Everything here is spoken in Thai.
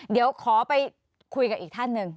เดี๋ยวขอไปคุยกับอีกท่านหนึ่ง